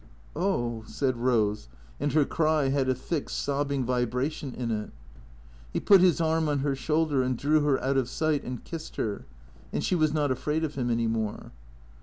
" Oh," said Rose, and her cry had a thick, sobbing vibration in it. He put his arm on her shoulder and drew her out of sight and kissed her, and she was not afraid of him any more.